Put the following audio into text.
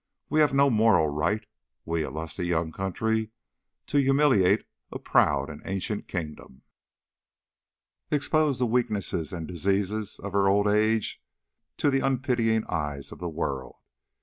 We have no moral right, we a lusty young country, to humiliate a proud and ancient kingdom, expose the weaknesses and diseases of her old age to the unpitying eyes of the world.